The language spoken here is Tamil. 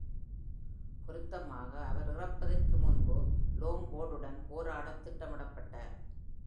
பொருத்தமாக, அவர் இறப்பதற்கு முன்பு லாங்ஃபோர்டுடன் போராட திட்டமிடப்பட்டார்.